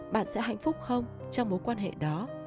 bạn sẽ hạnh phúc không trong mối quan hệ đó